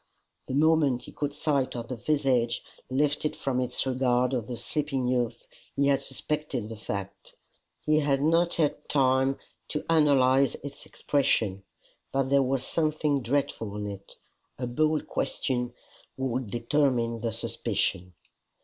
The moment he caught sight of the visage lifted from its regard of the sleeping youth, he had suspected the fact. He had not had time to analyze its expression, but there was something dreadful in it. A bold question would determine the suspicion.